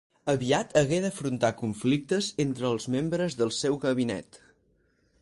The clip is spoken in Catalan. Aviat hagué d'afrontar conflictes entre els membres del seu gabinet.